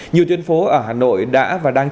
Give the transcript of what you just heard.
nhiều tuyến phố ở hà nội đã và đang